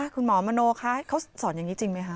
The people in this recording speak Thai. คุณหมอมโนคะเขาสอนอย่างนี้จริงไหมคะ